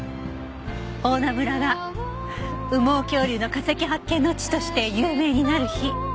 大菜村が羽毛恐竜の化石発見の地として有名になる日。